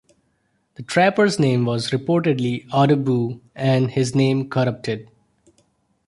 The trapper's name was reportedly Odebeau, and his name corrupted.